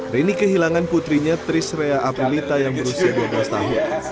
rini kehilangan putrinya trisrea aprilita yang berusia dua belas tahun